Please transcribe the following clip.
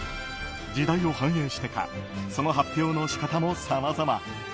時代を反映してかその発表の仕方もさまざま。